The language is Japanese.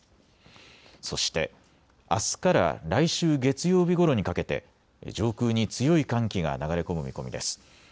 そしてあすから来週月曜日ごろにかけて上空に強い寒気が流れ込む見込みです。